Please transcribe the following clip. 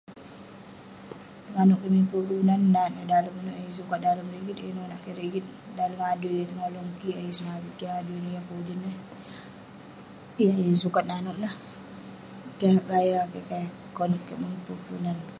Penganouk kik miper kelunan menat eh dalem inouk yeng sukat nouk neh, dan neh yeng pun rigit, nak kik rigit. Dalem adui, yeng tonolong kik, yeng senavik kik adui [unintelligible] yeng sukat nanouk neh. Keh gaya kik, keh konep kik miper kelunan.